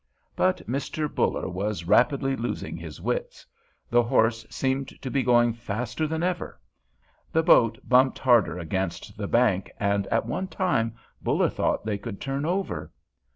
But Mr. Buller was rapidly losing his wits. The horse seemed to be going faster than ever. The boat bumped harder against the bank, and at one time Buller thought they could turn over.